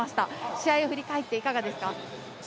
試合を振り返っていかがですか？